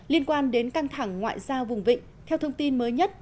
liên quan đến căng thẳng ngoại giao vùng vịnh theo thông tin mới nhất